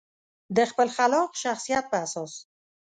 د خپل خلاق شخصیت په اساس.